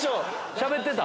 しゃべってた？